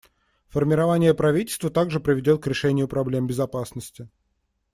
Формирование правительства также приведет к решению проблем безопасности.